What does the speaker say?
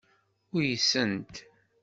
Uysent.